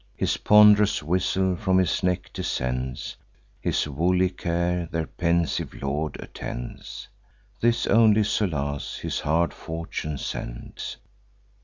His pond'rous whistle from his neck descends; His woolly care their pensive lord attends: This only solace his hard fortune sends.